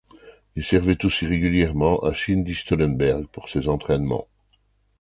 Il servait aussi régulièrement à Cindy Stollenberg pour ses entraînements.